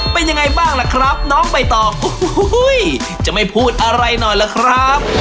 เป็นยังไงบ้างล่ะครับน้องใบตองโอ้โหจะไม่พูดอะไรหน่อยล่ะครับ